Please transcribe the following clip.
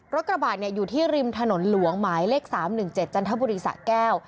กระบาดอยู่ที่ริมถนนหลวงหมายเลข๓๑๗จันทบุรีสะแก้ว